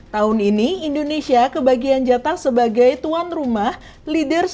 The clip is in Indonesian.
tahun ini indonesia kebagian jatah sebagai tuan rumah leadership